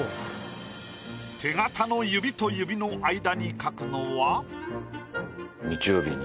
手形の指と指の間に描くのは。